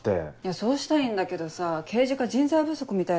そうしたいんだけどさ刑事課人材不足みたいだから。